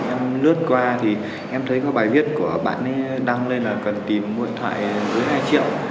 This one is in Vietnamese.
em lướt qua thì em thấy có bài viết của bạn ấy đăng lên là cần tìm mua điện thoại dưới hai triệu